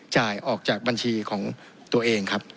จ่ายออกจากบัญชีของตัวเองครับ